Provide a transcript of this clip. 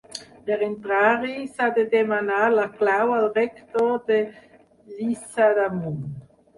Per entrar-hi, s'ha de demanar la clau al rector de Lliçà d'Amunt.